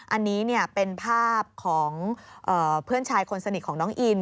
อันนี้เป็นภาพของเพื่อนชายคนสนิทของน้องอิน